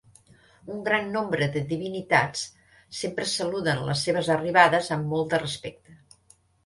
Un gran nombre de divinitats sempre saluden les seves arribades amb molt de respecte.